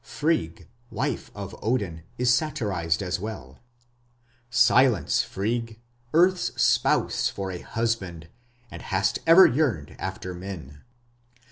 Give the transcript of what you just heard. Frigg, wife of Odin, is satirized as well: Silence, Frigg! Earth's spouse for a husband, And hast ever yearned after men!